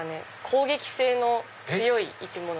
攻撃性の強い生き物。